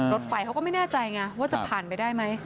รถไฟเขาก็ไม่แน่ใจไงว่าจะผ่านไปได้ไหม